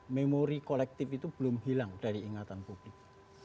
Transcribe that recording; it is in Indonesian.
memori kolektif itu belum hilang dari ingatan publik